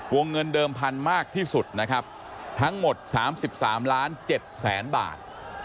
วงเงินเดิมพันธุ์มากที่สุดนะครับทั้งหมด๓๓ล้าน๗แสนบาท